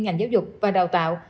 ngành giáo dục và đào tạo